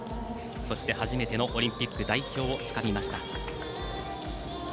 そして、初めてのオリンピック代表をつかみました。